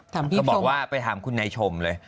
เขาบอกว่าไปถามคุณนายชมเลย